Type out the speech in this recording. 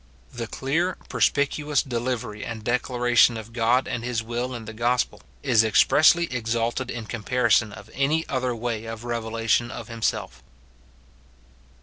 The clear, perspicuous delivery and declaration of God and his will in the gospel is expressly exalted in comparison of any other way of revelation of himself.